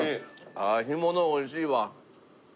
ああ干物おいしいわ。